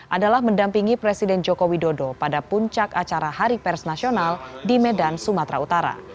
adalah mendampingi presiden joko widodo pada puncak acara hari pers nasional di medan sumatera utara